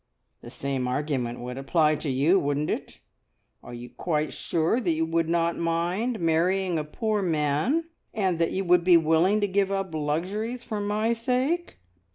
"The same argument would apply to you, wouldn't it? Are you quite sure that you would not mind marrying a poor man, and that you would be willing to give up luxuries for my sake?"